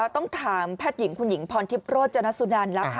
ต้องถามแพทย์หญิงคุณหญิงพรทิพย์โรธ